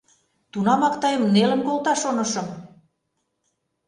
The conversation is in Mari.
Тунамак тыйым нелын колта, шонышым.